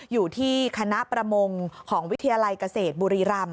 อยู่ที่คณะประมงของวิทยาลัยเกษตรบุรีรำ